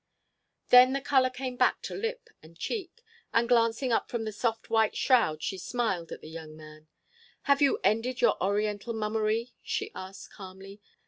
Then the colour came back to lip and cheek; and, glancing up from the soft white shroud, she smiled at the young man: "Have you ended your Oriental mummery?" she asked calmly.